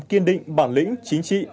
kiên định bản lĩnh chính trị